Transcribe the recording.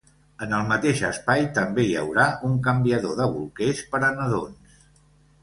En el mateix espai també hi haurà un canviador de bolquers per a nadons.